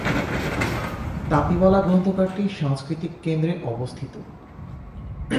তাপিওলা গ্রন্থাগারটি সাংস্কৃতিক কেন্দ্রে অবস্থিত।